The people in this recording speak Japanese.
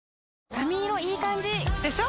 髪色いい感じ！でしょ？